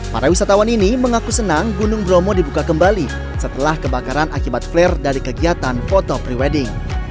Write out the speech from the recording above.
para wisatawan ini mengaku senang gunung bromo dibuka kembali setelah kebakaran akibat flare dari kegiatan foto pre wedding